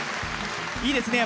いいですね。